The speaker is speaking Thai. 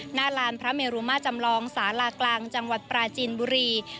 หน้าลานพระเมรุมาจำลองสาลากลางจังหวัดปราจีนบุรี